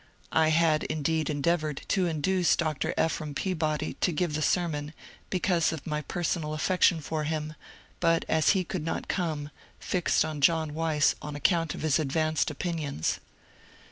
I had indeed endeavoured to induce Dr. Ephraim Peabody to give the sermon because of my personal affection for him, but as he could not come, fixed on John Weiss on account of his DE. BURNAP'S CHARGE 195 advanced opinions.